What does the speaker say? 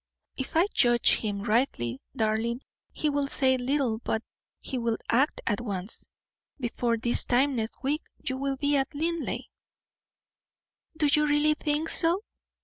"If I judge him rightly, darling, he will say little, but he will act at once; before this time next week you will be at Linleigh." "Do you really think so?